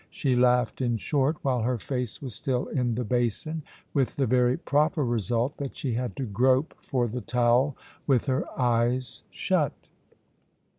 She laughed, in short, while her face was still in the basin, with the very proper result that she had to grope for the towel with her eyes shut.